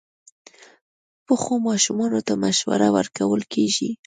پخو ماشومانو ته مشوره ورکول کېږي